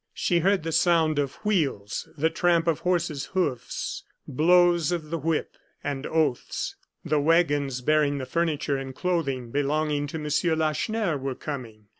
She heard the sound of wheels, the tramp of horses' hoofs, blows of the whip, and oaths. The wagons bearing the furniture and clothing belonging to M. Lacheneur were coming.